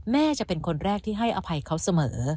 แม่จะเป็นคนแรกที่ให้อภัยเขาเสมอ